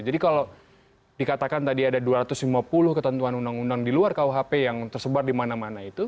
jadi kalau dikatakan tadi ada dua ratus lima puluh ketentuan undang undang di luar kuhp yang tersebar di mana mana itu